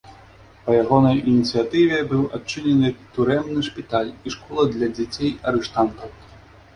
Па ягонай ініцыятыве быў адчынены турэмны шпіталь і школа для дзяцей арыштантаў.